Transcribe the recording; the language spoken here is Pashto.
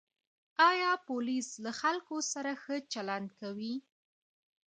آیا پولیس له خلکو سره ښه چلند کوي؟